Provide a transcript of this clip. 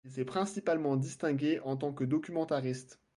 Il s’est principalement distingué en tant que documentariste.